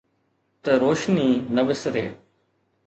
ته روشني نه وسري.